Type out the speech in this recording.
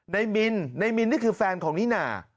ในมินที่คือแฟนของนี่น่า